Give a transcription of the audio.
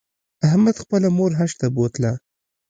احمد خپله مور حج ته بوتله.